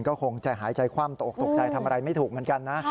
ก็คงใจหายใจคว่ำตกตกใจทำอะไรไม่ถูกเหมือนกันนะ